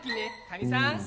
かにさん。